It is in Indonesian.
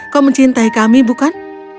kau mencintai kami bukan